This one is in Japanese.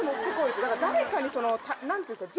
誰かに何ていうんですか？